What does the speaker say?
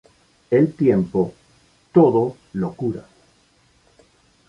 El tiempo todo lo cura